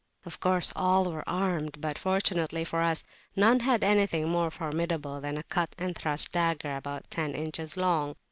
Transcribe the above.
Of course all were armed; but, fortunately for us, none had anything more formidable than a cut and thrust dagger about ten inches long.